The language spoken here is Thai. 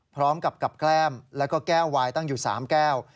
พร้อมกับกับแกล้มแล้วก็แก้ววายตั้งอยู่๓แก้ว